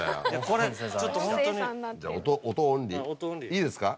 いいですか？